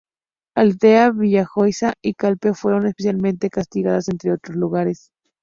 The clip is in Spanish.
Altea, Villajoyosa y Calpe fueron especialmente castigadas entre otros lugares.